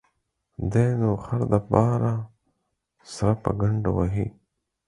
دى نو خر د باره سره په گڼده وهي.